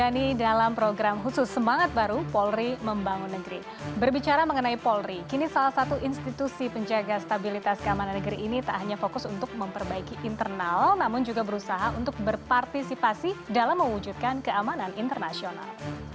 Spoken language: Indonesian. nah stabilitas keamanan negeri ini tak hanya fokus untuk memperbaiki internal namun juga berusaha untuk berpartisipasi dalam mewujudkan keamanan internasional